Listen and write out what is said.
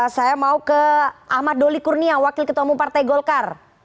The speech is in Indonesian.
saya mau ke ahmad doli kurnia wakil ketua umum partai golkar